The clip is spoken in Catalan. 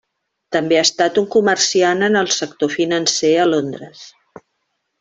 També ha estat un comerciant en el sector financer a Londres.